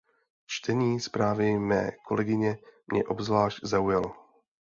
Čtení zprávy mé kolegyně mě obzvlášť zaujalo.